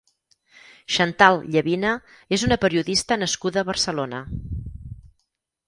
Xantal Llavina és una periodista nascuda a Barcelona.